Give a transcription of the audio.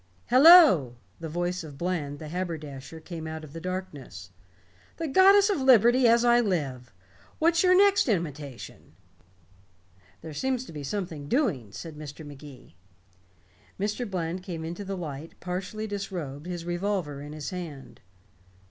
"Hello," the voice of Bland, the haberdasher, came out of the blackness. "The Goddess of Liberty, as I live! What's your next imitation?" "There seems to be something doing," said Mr. Magee. Mr. Bland came into the light, partially disrobed, his revolver in his hand.